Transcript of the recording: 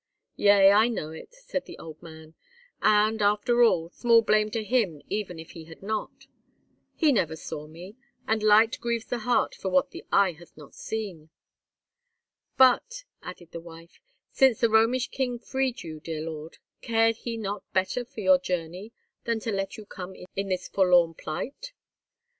"Yea, I know it," said the old man; "and, after all, small blame to him even if he had not. He never saw me, and light grieves the heart for what the eye hath not seen." "But," added the wife, "since the Romish king freed you, dear lord, cared he not better for your journey than to let you come in this forlorn plight?"